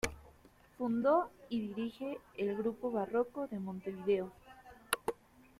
Fundó y dirige el "Grupo Barroco de Montevideo".